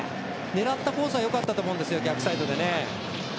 狙ったコースは良かったと思うんですよ、逆サイドでね。